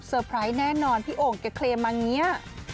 เซอร์ไพรส์แน่นอนพี่โอมเก็บเคลมมาเงี้ย